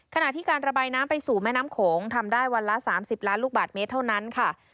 ขณะที่การระบายน้ำไปสู่แม่น้ำโขงทำได้วันละ๓๐ล้านลูกบาทเมตรเท่านั้นค่ะ